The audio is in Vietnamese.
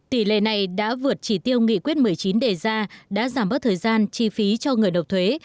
tỷ lệ này đã vượt chỉ tiêu nghị quyết một mươi chín đề ra đã giảm bớt thời gian chi phí cho người nộp thuế